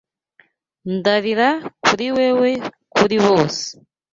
Ndarira kuri wewe kuri bose